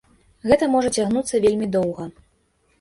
Гэта можа цягнуцца вельмі доўга.